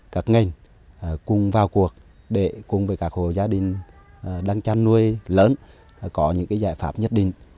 các ngành cùng vào cuộc để cùng với các hồ gia đình đang chăn nuôi lớn có những giải pháp nhất định